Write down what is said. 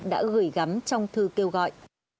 đã gửi gắm trong thư kêu gọi